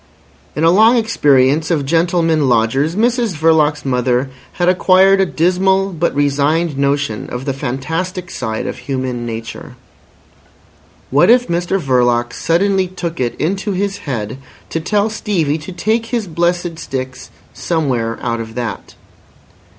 In a long experience of gentlemen lodgers, Mrs Verloc's mother had acquired a dismal but resigned notion of the fantastic side of human nature. What if Mr Verloc suddenly took it into his head to tell Stevie to take his blessed sticks somewhere out of that?